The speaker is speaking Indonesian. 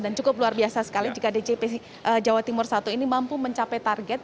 dan cukup luar biasa sekali jika djp jawa timur i ini mampu mencapai target